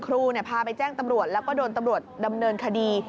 พาไปแจ้งตำรวจแล้วก็โดนตำรวจดำเนินคดี